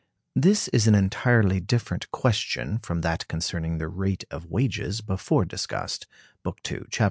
This is an entirely different question from that concerning the rate of wages before discussed (Book II, Chap.